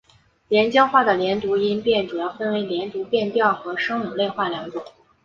连江话的连读音变主要分为连读变调和声母类化两种。